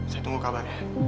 saya tunggu kapan ya